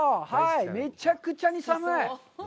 めちゃくちゃに寒い！